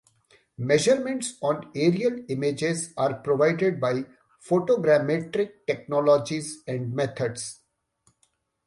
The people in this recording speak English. Measurements on aerial images are provided by photogrammetric technologies and methods.